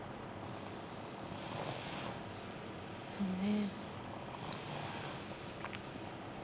そうね。